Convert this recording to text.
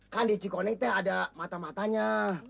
kan di cikoni teh ada mata matanya